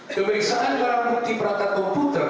pemeriksaan barang bukti perangkat komputer